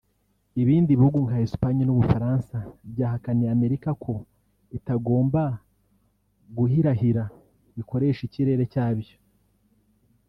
ibindi bihugu nka Espagne n’u Bufaransa byahakaniye Amerika ko itagomba guhirahira ngo ikoreshe ikirere cyabyo